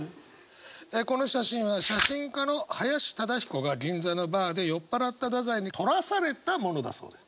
この写真は写真家の林忠彦が銀座のバーで酔っ払った太宰に撮らされたものだそうです。